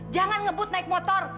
jangan ngebut naik motor